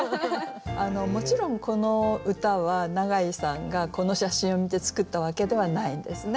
もちろんこの歌は永井さんがこの写真を見て作ったわけではないんですね。